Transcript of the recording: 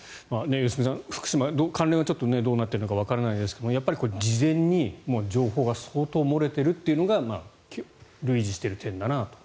良純さん、福島との関連はどうなっているかわかりませんが事前に情報が相当漏れているというのが類似している点だなと。